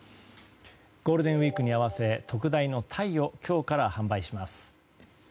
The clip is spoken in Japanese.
ゴールデンウィークに合わせ、特大のタイを今日から販売します。